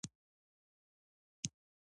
اسټرالیا ډېر ژر خپله لار جلا کړه.